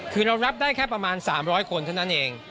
คือเรารับได้แค่ประมาณ๓๐๐คนเท่านั้นเอง